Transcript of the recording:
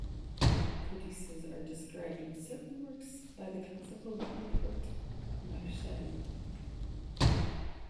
Codices are described in certain works by the Classical Latin poet, Martial.